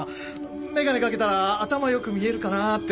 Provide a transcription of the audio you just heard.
眼鏡かけたら頭良く見えるかなって。